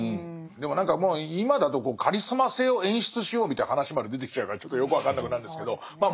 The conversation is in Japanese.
でも何かもう今だとカリスマ性を演出しようみたいな話まで出てきちゃうからちょっとよく分かんなくなるんですけどまあ